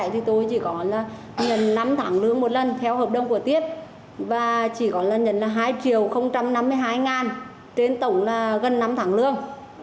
thì tôi chỉ có là nhận năm tháng lương một lần theo hợp đồng của tiết và chỉ có lần nhận là hai triệu năm mươi hai trên tổng gần năm tháng lương